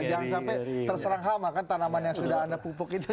jangan sampai terserang hama kan tanaman yang sudah anda pupuk itu